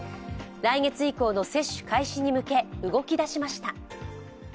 来月以降の接種開始に向け動き出しました。